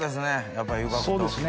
やっぱりゆがくと。